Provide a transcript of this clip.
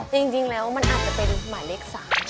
ที่คือมันมองไปเป็นหมาเล็ก๓